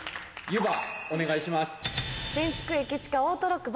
ゆばお願いします。